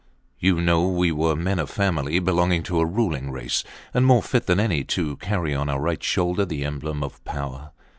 You know we were men of family, belonging to a ruling race, and more fit than any to carry on our right shoulder the emblem of power.